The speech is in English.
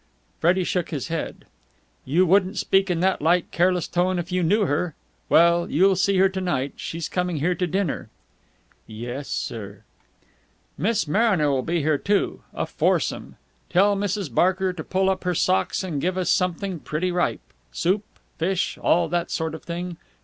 Freddie shook his head. "You wouldn't speak in that light, careless tone if you knew her! Well, you'll see her to night. She's coming here to dinner." "Yes, sir." "Miss Mariner will be here, too. A foursome. Tell Mrs. Barker to pull up her socks and give us something pretty ripe. Soup, fish, all that sort of thing.